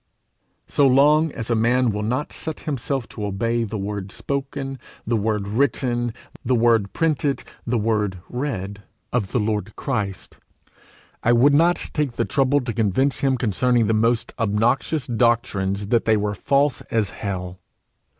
So long as a man will not set himself to obey the word spoken, the word written, the word printed, the word read, of the Lord Christ, I would not take the trouble to convince him concerning the most obnoxious doctrines that they were false as hell.